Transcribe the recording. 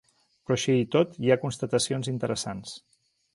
Però així i tot hi ha constatacions interessants.